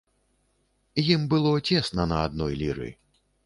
Ім было цесна на адной ліры.